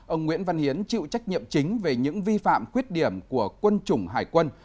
ông nguyễn văn hiến chịu trách nhiệm chính về những vi phạm khuyết điểm của quân chủng hải quân